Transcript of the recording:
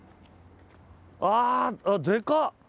あでかっ！